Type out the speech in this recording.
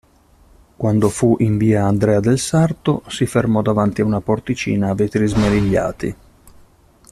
Quando fu in via Andrea del Sarto, si fermò davanti a una porticina a vetri smerigliati.